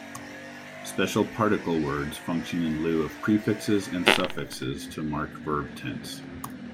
Special particle words function in lieu of prefixes and suffixes to mark verb tense.